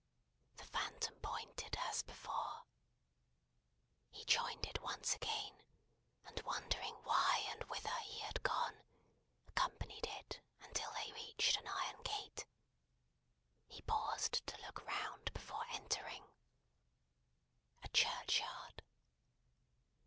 The Phantom pointed as before. He joined it once again, and wondering why and whither he had gone, accompanied it until they reached an iron gate. He paused to look round before entering. A churchyard.